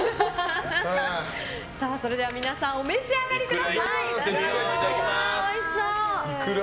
それでは皆さんお召し上がりください。